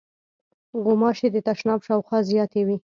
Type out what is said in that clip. غوماشې د تشناب شاوخوا زیاتې وي.